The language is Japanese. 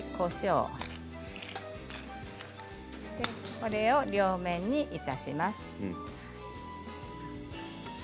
これを両面にいたします。